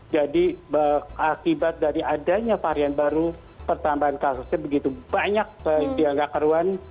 jadi akibat dari adanya varian baru pertambahan kasusnya begitu banyak dianggap keruan